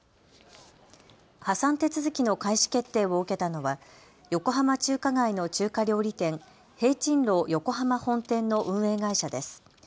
破産手続きの開始決定を受けたのは横浜中華街の中華料理店、聘珍樓横濱本店の運営会社です。